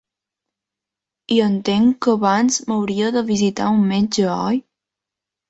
I entenc que abans m'hauria de visitar un metge, oi?